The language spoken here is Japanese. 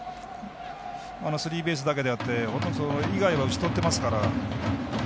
スリーベースだけであってそれ以外は打ち取ってますから。